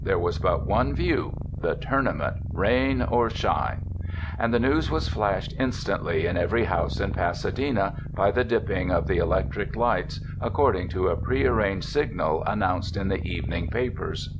There was but one view — the Tournament, rain or shine ; and the news was flashed instantly in every house in Pasadena by the dipping of the elec tric lights, according to a prearranged signal an nounced in the evening papers.